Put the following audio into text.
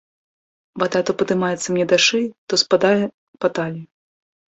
Вада то падымаецца мне да шыі, то спадае па талію.